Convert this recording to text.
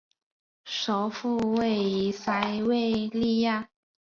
首府位于塞维利亚。